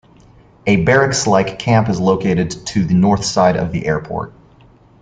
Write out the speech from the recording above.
A barracks-like camp is located to the north side of the airport.